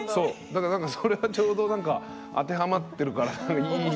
だからそれがちょうど当てはまってるからいい。